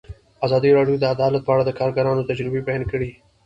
ازادي راډیو د عدالت په اړه د کارګرانو تجربې بیان کړي.